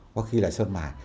có khi là sơn mài